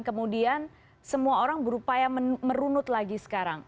kemudian semua orang berupaya merunut lagi sekarang